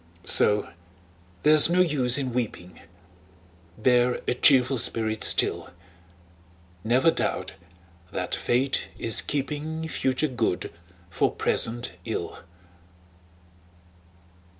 So there's no use in weeping, Bear a cheerful spirit still; Never doubt that Fate is keeping Future good for present ill!